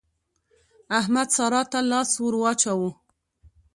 احمد سارا ته لاس ور واچاوو.